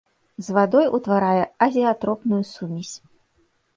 З вадой утварае азеатропную сумесь.